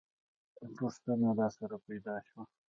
پوښتنه راسره پیدا شوه.